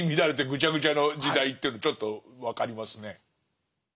ぐちゃぐちゃの時代っていうのちょっと分かりますね。